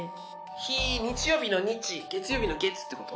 日日曜日の「日」月曜日の「月」ってこと？